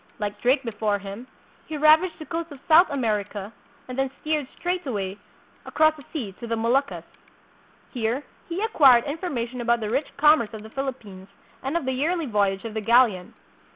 Like Drake before him, he ravaged the coast of South America and then steered straight away across the sea to the Moluccas. Here he acquired information about the rich commerce of the Philippines and of the yearly voyage of the galleon.